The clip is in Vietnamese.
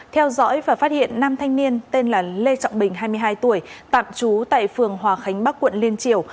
theo dõi và phát hiện nam thanh niên tên là lê trọng bình hai mươi hai tuổi tạm trú tại phường hòa khánh bắc quận liên triều